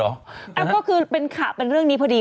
ก็คือเป็นข่าวเป็นเรื่องนี้พอดี